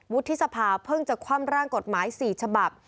วุฒิสภาเพิ่งจะคว่ำร่างกฎหมาย๔ฉบับ